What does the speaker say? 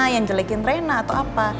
yang jelekin rena atau apa